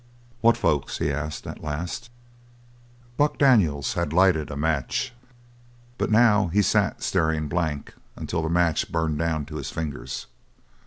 "What folks?" he asked at last Buck Daniels had lighted a match, but now he sat staring blank until the match burned down to his fingers.